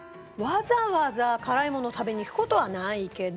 わざわざ辛いものを食べに行く事はないけど。